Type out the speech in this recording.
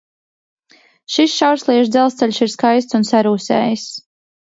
Šis šaursliežu dzelzceļš ir skaists un sarūsējis.